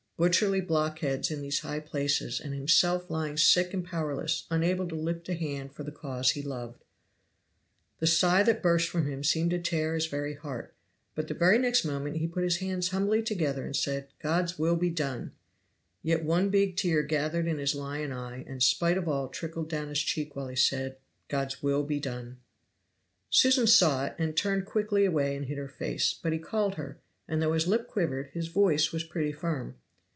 Butcherly blockheads in these high places, and himself lying sick and powerless, unable to lift a hand for the cause he loved. The sigh that burst from him seemed to tear his very heart; but the very next moment he put his hands humbly together and said, "God's will be done!" Yet one big tear gathered in his lion eye and spite of all trickled down his cheek while he said, "God's will be done." Susan saw it, and turned quickly away and hid her face; but he called her, and though his lip quivered his voice was pretty firm.